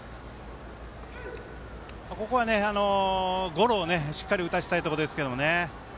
ここはゴロを、しっかり打たせたいところですけどね。